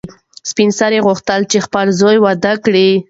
سپین سرې غوښتل چې خپل زوی واده کړي.